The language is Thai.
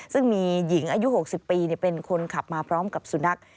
ซึ่งมีหญิงอายุ๖๐ปีเป็นคนขับมาพร้อมกับสุนัข